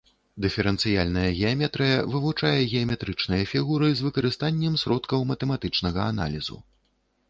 Дыферэнцыяльная геаметрыя вывучае геаметрычныя фігуры з выкарыстаннем сродкаў матэматычнага аналізу.